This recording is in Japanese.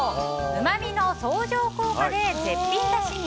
うまみの相乗効果で絶品だしに！